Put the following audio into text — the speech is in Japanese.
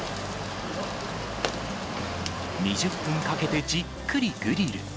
２０分かけてじっくりグリル。